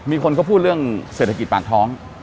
มีคนเขาพูดเรื่องเศรษฐกิจปากท้อง